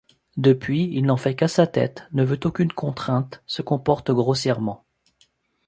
Depuis il n’en fait qu’à sa tête, ne veut aucune contrainte, se comporte grossièrement.